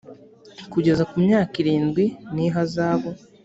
kugeza ku myaka irindwi n ihazabu